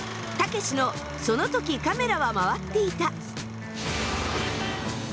「たけしのその時カメラは回っていた」。